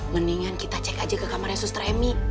mendingan kita cek aja ke kamarnya suster emi